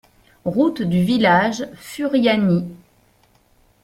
Route du village, Furiani